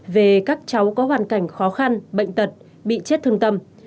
về các cháu có hoàn cảnh khó khăn bệnh tật bị chết thương tâm